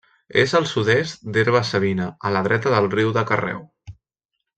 És al sud-est d'Herba-savina, a la dreta del riu de Carreu.